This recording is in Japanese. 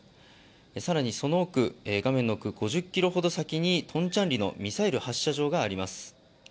更にその画面の奥、５０ｋｍほど先にトンチャンリのミサイル発射場があります。